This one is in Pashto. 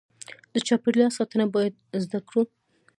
د چاپیریال ساتنه باید زده کړو.